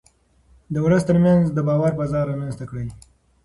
د ولس ترمنځ د باور فضا رامنځته کړئ.